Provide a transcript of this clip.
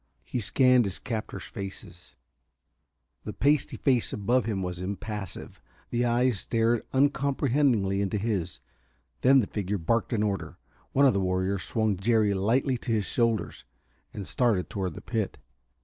He scanned his captors' faces. The pasty face above him was impassive; the eyes stared uncomprehendingly into his. Then the figure barked an order. One of the warriors swung Jerry lightly to his shoulder, and started toward the pit.